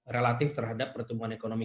relatif terhadap pertumbuhan ekonomi